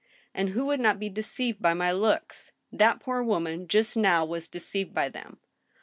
And who would not be deceived by my looks? That poor woman just now was deceived by them.